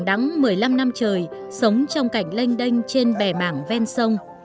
đẳng đắng một mươi năm năm trời sống trong cảnh lanh đanh trên bẻ mảng ven sông